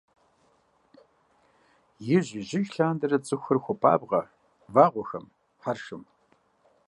Ижь-ижьыж лъандэрэ цӏыхухэр хуопабгъэ вагъуэхэм, хьэршым.